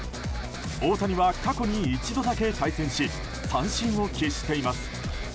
大谷は過去に一度だけ対戦し三振を喫しています。